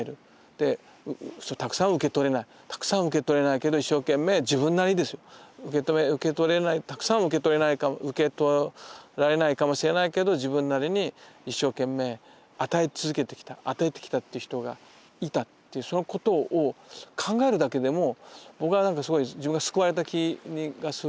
でたくさん受け取れないたくさん受け取れないけど一生懸命自分なりにですよたくさんは受け取られないかもしれないけど自分なりに一生懸命与え続けてきた与えてきたっていう人がいたっていうそのことを考えるだけでも僕はなんかすごい自分が救われた気がするんですよ。